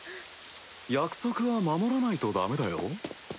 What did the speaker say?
約束は守らないとダメだよ。